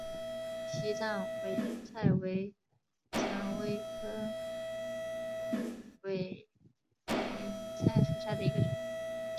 西藏委陵菜为蔷薇科委陵菜属下的一个种。